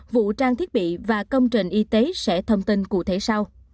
vụ trang thiết bị và công trình y tế sẽ thông tin cụ thể sau